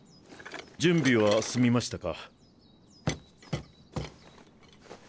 準備は済みましたか？